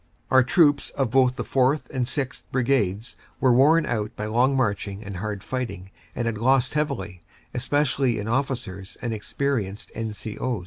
Our troops of both the 4th. and 6th. Brigades were worn out by long marching and hard fighting, and had lost heavily, espe cially in officers and experienced N. C. O.